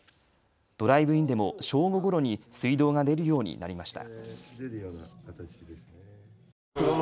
ドライブインでも正午ごろに水道が出るようになりました。